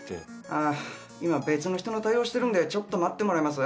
ああ今別の人の対応してるんでちょっと待ってもらえます？